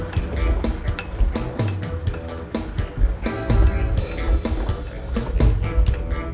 lihat kalau muka gerbangnya